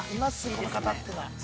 この方というのは。